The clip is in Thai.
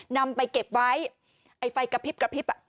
นำไปเก็บไว้ไอ้ไฟกระพริบกระพริบอ่ะ